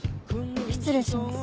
失礼します。